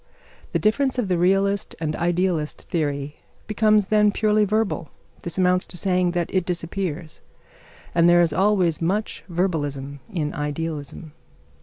The difference of the realist and idealist theory becomes then purely verbal. This amounts to saying that it disappears. But there is always much verbalism in idealism.